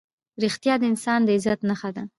رښتیا د انسان د عزت نښه ده.